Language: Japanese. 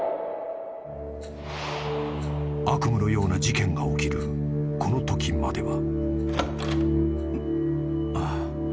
［悪夢のような事件が起きるこのときまでは］